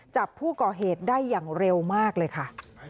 จับผู้ก่อเหตุได้อย่างเร็วมากเลยค่ะ